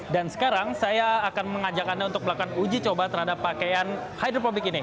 dan sekarang saya akan mengajak anda untuk melakukan uji coba terhadap pakaian hidrofobik ini